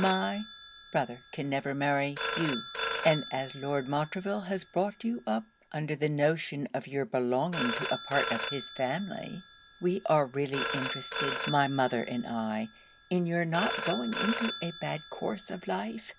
My brother can never marry you; and as Lord Montreville has brought you up, under the notion of your belonging to a part of his family, we are really interested, my mother and I, in your not going into a bad course of life.